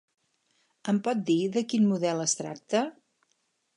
Em pot dir de quin model es tracta?